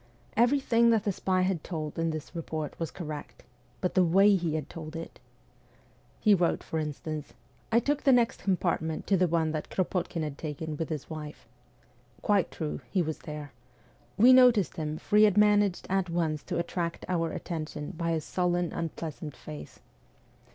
Everything that the spy had told in this report was correct but the way he had told it ! He wrote for instance :' I took the next compart ment to the one that Kropotkin had taken with his wife.' Quite true ; he was there. We noticed him, for he had managed at once to attract our attention by his sullen, unpleasant face.